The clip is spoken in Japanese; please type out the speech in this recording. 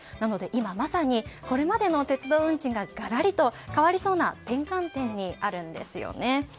今まさにこれまでの鉄道運賃ががらりと変わりそうな転換点にあるんですよね。